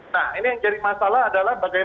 nah ini yang jadi masalah adalah bagaimana pesawat itu